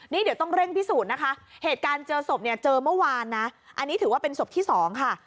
นี่เดี๋ยวต้องเร่งพิสูจน์นะคะเหตุการณ์เจอศพเนี่ยเจอเมื่อวานนะอันนี้ถือว่าเป็นศพที่สองค่ะ